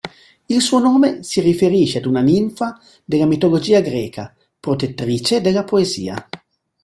Il suo nome si riferisce ad una ninfa della mitologia greca protettrice della poesia.